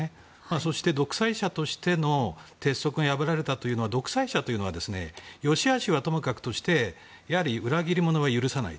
そして独裁者の鉄則が破られたというのは独裁者は良し悪しはともかくとしてやはり裏切り者を許さない。